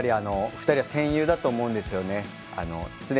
２人は戦友だと思うんですよね。